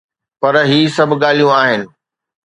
پر هي سڀ ڳالهيون آهن.